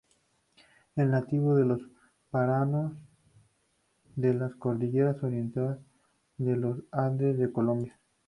Es nativo de los páramos de la Cordillera Oriental de los Andes de Colombia.